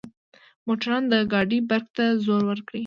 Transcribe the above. موټروان د ګاډۍ برک ته زور وکړ.